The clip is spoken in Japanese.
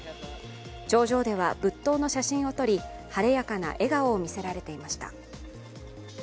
頂上では仏塔の写真を撮り晴れやかな笑顔を見せられていました。